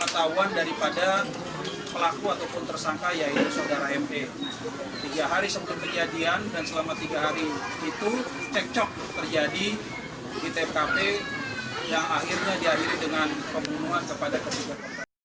tidak ada kemungkinan untuk mencoba bunuh diri dengan pisau